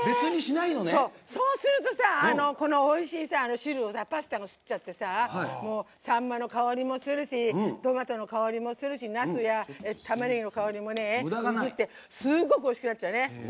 そうすると、おいしい汁をパスタも吸っちゃってさんまの香りもするしトマトの香りもするしナスや、たまねぎの香りもしてすごくおいしくなっちゃうのね。